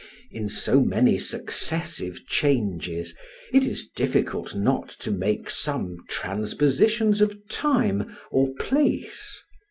In so many successive changes, it is difficult not to make some transpositions of time or place.